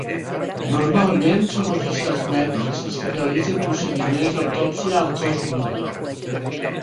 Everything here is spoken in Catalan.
Normalment són oficials mèdics els que realitzen procediments d'autòpsia al cos humà.